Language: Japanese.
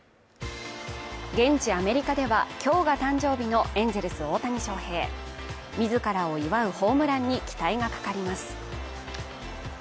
現地アメリカでは今日が誕生日のエンゼルス・大谷翔平自らを祝うホームランに期待がかかります。